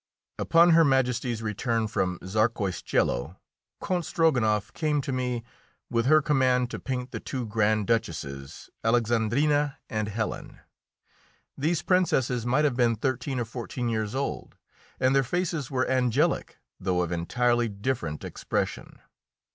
Upon Her Majesty's return from Czarskoiesielo Count Strogonoff came to me with her command to paint the two Grand Duchesses, Alexandrina and Helen. These Princesses might have been thirteen or fourteen years old, and their faces were angelic, though of entirely different expression.